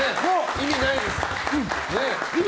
意味ないです。